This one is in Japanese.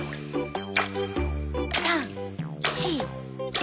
３４５。